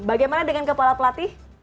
bagaimana dengan kepala pelatih